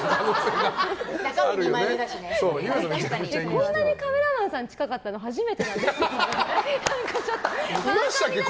こんなにカメラマンさん近かったの初めてなんですけど。